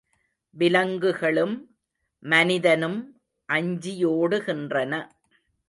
விலங்குகளும், மனிதனும் அஞ்சியோடுகின்றன.